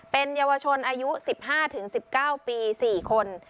เป็นเยาวชนอายุ๑๕๑๙ปี๔คน